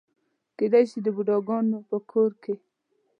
کېدای شي د بوډاګانو په کور کې.